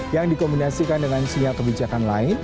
yang dikombinasikan dengan sinyal kebijakan lain